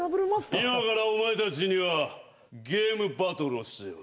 今からお前たちにはゲームバトルをしてもらう。